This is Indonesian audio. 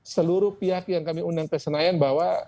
seluruh pihak yang kami undang kesenayan bahwa